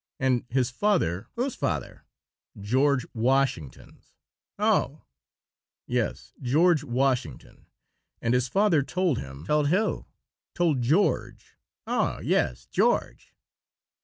And his father " "Whose father?" "George Washington's." "Oh!" "Yes, George Washington. And his father told him " "Told who?" "Told George." "Oh, yes, George."